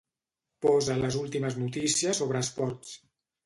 Posa les últimes notícies sobre esports.